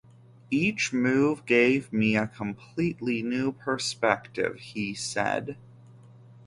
"Each move gave me a completely new perspective," he said.